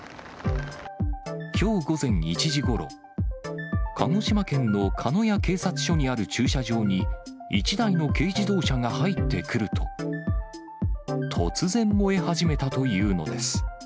きょう午前１時ごろ、鹿児島県の鹿屋警察署にある駐車場に１台の軽自動車が入ってくると、突然燃え始めたというのです。